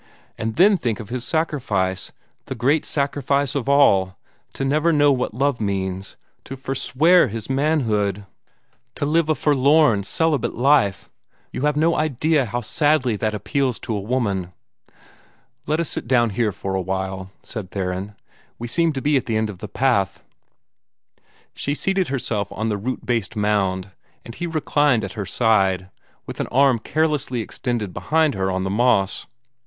And then think of his sacrifice the great sacrifice of all to never know what love means, to forswear his manhood, to live a forlorn, celibate life you have no idea how sadly that appeals to a woman." "Let us sit down here for a little," said Theron; "we seem at the end of the path." She seated herself on the root based mound, and he reclined at her side, with an arm carelessly extended behind her on the moss.